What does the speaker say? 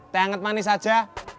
teh anget manis aja